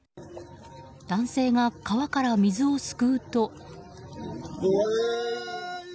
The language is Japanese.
男性が川から水をすくうと。